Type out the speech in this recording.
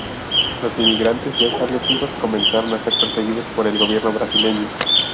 Los inmigrantes ya establecidos comenzaron a ser perseguidos por el gobierno brasileño.